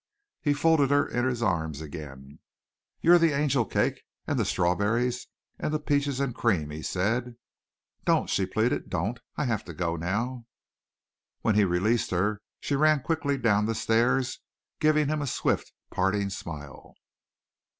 He folded her in his arms again. "You're the angel cake and the strawberries and the peaches and cream," he said. "Don't!" she pleaded. "Don't! I have to go now." And when he released her she ran quickly down the stairs, giving him a swift, parting smile.